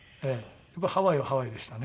やっぱハワイはハワイでしたね。